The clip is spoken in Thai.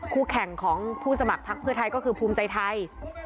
คู่แข่งของผู้สมัครพักเพื่อไทยก็คือภูมิใจไทย